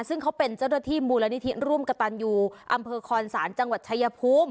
ซึ่งเขาเป็นเจ้าหน้าที่มูลนิธิร่วมกระตันยูอำเภอคอนศาลจังหวัดชายภูมิ